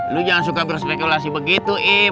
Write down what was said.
lu jangan suka berspekulasi begitu im